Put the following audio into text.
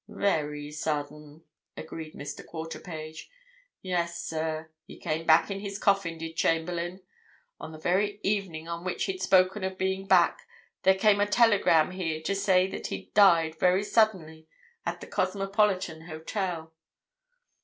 "Very sudden," agreed Mr. Quarterpage. "Yes, sir, he came back in his coffin, did Chamberlayne. On the very evening on which he'd spoken of being back, there came a telegram here to say that he'd died very suddenly at the Cosmopolitan Hotel.